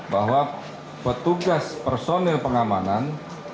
bahwa petugas personil pengamanan